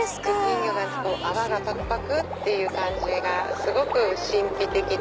泡がパクパクっていう感じがすごく神秘的で。